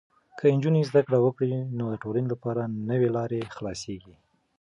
که نجونې زده کړه وکړي، نو د ټولنې لپاره نوې لارې خلاصېږي.